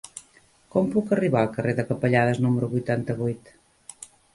Com puc arribar al carrer de Capellades número vuitanta-vuit?